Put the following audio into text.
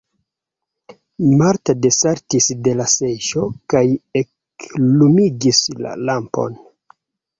Marta desaltis de la seĝo kaj eklumigis la lampon.